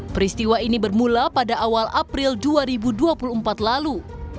peristiwa ini bermula pada awal april dua ribu dua puluh empat lalu